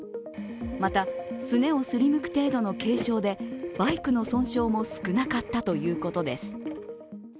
また、すねをすりむく程度の軽傷でバイクの損傷も少なかったということです。